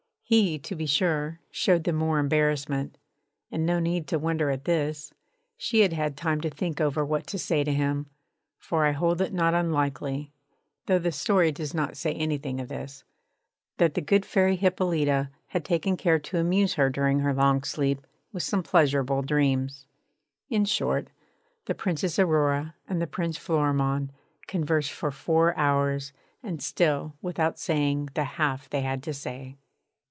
He, to be sure, showed the more embarrassment; and no need to wonder at this she had had time to think over what to say to him; for I hold it not unlikely (though the story does not say anything of this) that the good Fairy Hippolyta had taken care to amuse her, during her long sleep, with some pleasurable dreams. In short, the Princess Aurora and the Prince Florimond conversed for four hours, and still without saying the half they had to say.